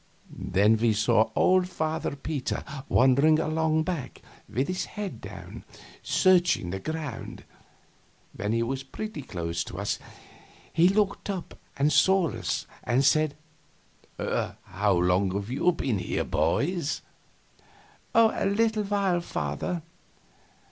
Then we saw poor old Father Peter wandering along back, with his head bent down, searching the ground. When he was pretty close to us he looked up and saw us, and said, "How long have you been here, boys?" "A little while, Father."